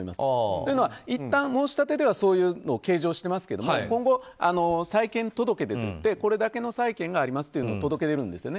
というのは、いったん申し立てではそういうのを計上していますけど今後、債権届でこれだけの債権がありますと届け出るんですよね。